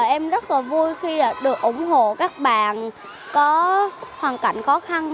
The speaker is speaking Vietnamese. em rất vui khi được ủng hộ các bạn có hoàn cảnh khó khăn